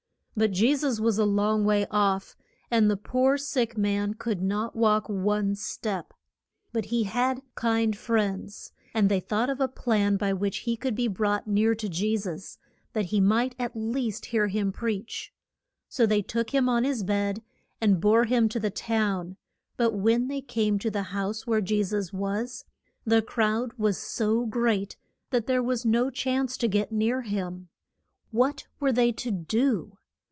But Je sus was a long way off, and the poor sick man could not walk one step. But he had kind friends, and they thought of a plan by which he could be brought near to Je sus, that he might at least hear him preach. So they took him on his bed and bore him to the town; but when they came to the house where Je sus was, the crowd was so great that there was no chance to get near him. What were they to do?